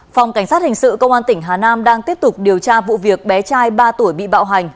phòng cảnh sát hình sự công an tỉnh hà nam đang tiếp tục điều tra vụ việc bé trai ba tuổi bị bạo hành